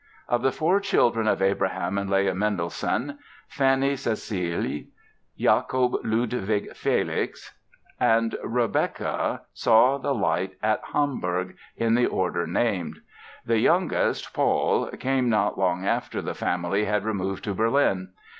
Of the four children of Abraham and Leah Mendelssohn, Fanny Cäcilie, Jakob Ludwig Felix and Rebecka saw the light at Hamburg, in the order named. The youngest, Paul, came not long after the family had removed to Berlin.